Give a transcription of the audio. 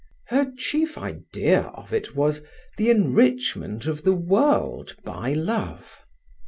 Her chief idea of it was, the enrichment of the world by love.